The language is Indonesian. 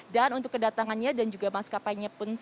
dan untuk kedatangannya dan juga maskapainya